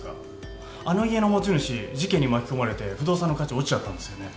あの家の持ち主事件に巻き込まれて不動産の価値落ちちゃったんですよね。